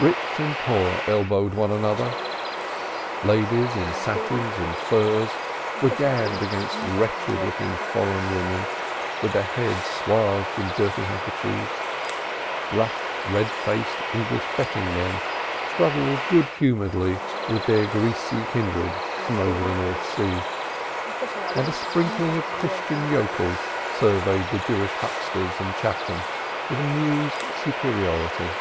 Rich and poor elbowed one another, ladies in satins and furs were jammed against wretched looking foreign women with their heads swathed in dirty handkerchiefs; rough, red faced English betting men struggled good humoredly with their greasy kindred from over the North Sea; and a sprinkling of Christian yokels surveyed the Jewish hucksters and chapmen with amused superiority.